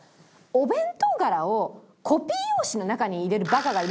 お弁当ガラをコピー用紙の中に入れるバカがいるんですよ